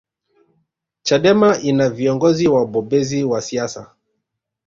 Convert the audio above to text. chadema ina viongozi wabobezi wa siasa